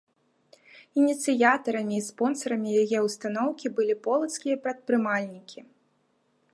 Ініцыятарамі і спонсарамі яе ўстаноўкі былі полацкія прадпрымальнікі.